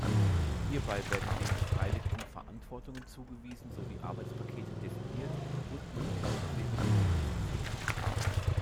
Hierbei werden den Beteiligten Verantwortungen zugewiesen sowie Arbeitspakete definiert und mögliche Probleme identifiziert.